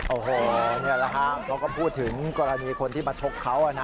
โอ้โหนี่แหละค่ะเค้าก็พูดถึงกรณีคนที่มาชกเค้าอ่ะนะ